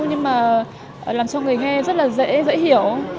nhưng mà làm cho người nghe rất là dễ dễ hiểu